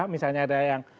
misalnya ada yang